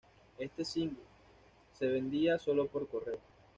Este single se vendía solo por correo.